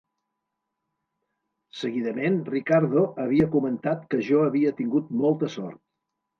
Seguidament, Ricardo havia comentat que jo havia tingut molta sort.